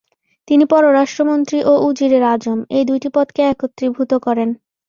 তিনি পররাষ্ট্র মন্ত্রী ও উজিরে আজম, এই দুইটি পদকে একত্রীভূত করেন।